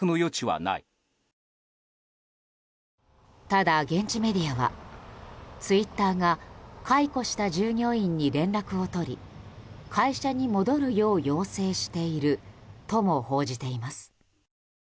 ただ、現地メディアはツイッターが解雇した従業員に連絡を取り会社に戻るよう要請しているとも報じています。